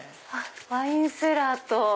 ワインセラーと。